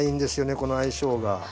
この相性が。